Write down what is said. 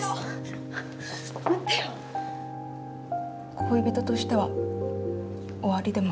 恋人としては終わりでも。